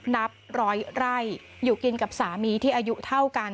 นับร้อยไร่อยู่กินกับสามีที่อายุเท่ากัน